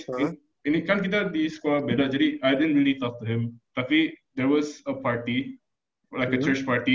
sama tapi ini kan kita di squad beda jadi i didn t really talk to him tapi there was a party like a church party